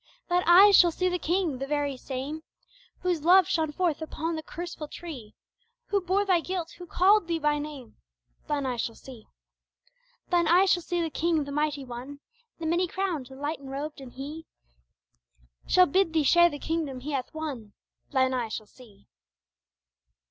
Thine eyes shall see the King! The very same Whose love shone forth upon the curseful tree, Who bore thy guilt, who calleth thee by name Thine eyes shall see! Thine eyes shall see the King, the Mighty One, The many crowned, the light enrobed, and He Shall bid thee share the kingdom He hath won Thine eyes shall see!